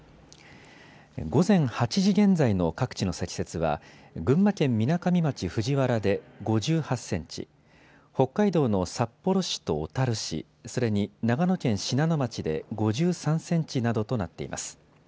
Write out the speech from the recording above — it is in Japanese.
午前８時現在の各地の積雪は群馬県みなかみ町藤原で５８センチ、北海道の札幌市と小樽市、それに長野県信濃町で５３センチなどとなっています。